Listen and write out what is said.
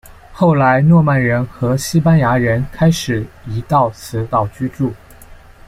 后来诺曼人和西班牙人开始移到此岛居住。